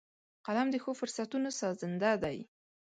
قلم د ښو فرصتونو سازنده دی